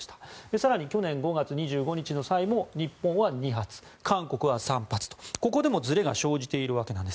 更に去年５月２５日の際も日本は２発韓国は３発と、ここでもずれが生じているわけなんです。